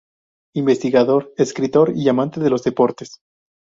Investigador, escritor y amante de los deportes.